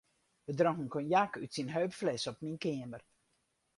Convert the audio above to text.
We dronken konjak út syn heupflesse op myn keamer.